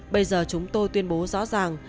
bây giờ chúng tôi tuyên bố rõ ràng